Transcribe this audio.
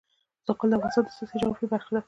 زغال د افغانستان د سیاسي جغرافیه برخه ده.